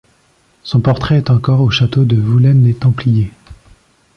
Son portrait est encore au château de Voulaines-les-Templiers.